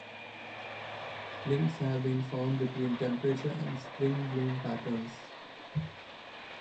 Links have been found between temperature and spring bloom patterns.